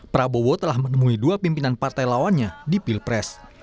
prabowo telah menemui dua pimpinan partai lawannya di pilpres